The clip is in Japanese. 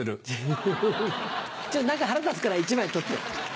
フフフちょっと何か腹立つから１枚取って。